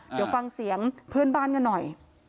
เดี๋ยวฟังเสียงเพื่อนบ้านกันหน่อย